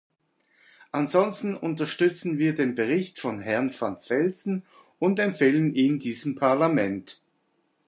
Ansonsten unterstützen wir den Bericht von Herrn van Velzen und empfehlen ihn diesem Parlament.